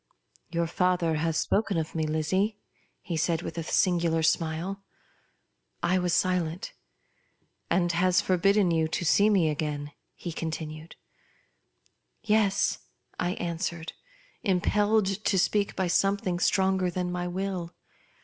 " Your father has spoken of me, Lizzie ?" he said with a singular smile. I was silent. " And has forbidden you to see me again ?" he continued. " Yes," I answered, impelled to speak by something stronger than my will.